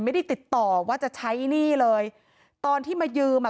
ไม่ได้ติดต่อว่าจะใช้หนี้เลยตอนที่มายืมอ่ะ